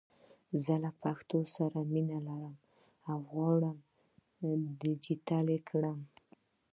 زه له پښتو زه مینه لرم او غواړم ډېجیټل یې کړم!